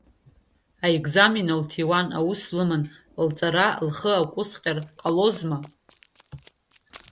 Аекзамен лҭиуан, аус лыман, лҵара лхы аҟәысҟьар ҟалозма?